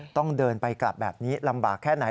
ต้องเดินไปกลับแบบนี้ลำบากแค่ไหน